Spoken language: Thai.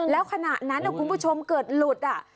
แล้วขณะนั้นเนี่ยคุณผู้ชมเกิดหลุดอ่ะ